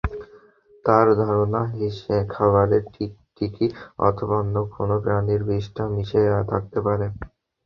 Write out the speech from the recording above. তাঁর ধারণা, খাবারে টিকটিকি অথবা অন্য কোনো প্রাণীর বিষ্ঠা মিশে থাকতে পারে।